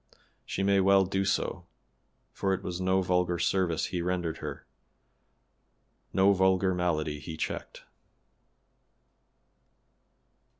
She may well do so, for it was no vulgar service he rendered her, no vulgar malady he checked.